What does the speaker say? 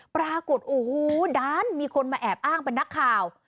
ปรากฏโอ้โหด้านมีคนมาแอบอ้างเป็นนักข่าว